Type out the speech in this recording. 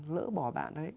lỡ bỏ bạn đấy